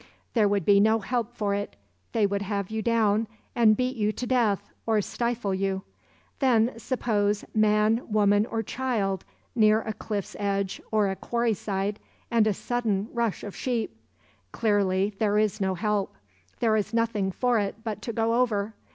There would be no help for it; they would have you down and beat you to death or stifle you. Then suppose man, woman, or child near a cliff's edge or a quarry side, and a sudden rush of sheep. Clearly there is no help; there is nothing for it but to go over.